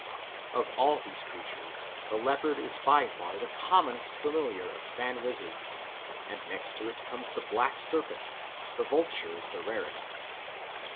Of all these creatures the leopard is by far the commonest familiar of Fan wizards, and next to it comes the black serpent; the vulture is the rarest.